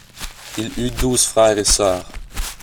Il eut douze frères et sœurs.